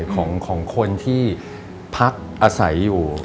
ของคนที่พักอาศัยอยู่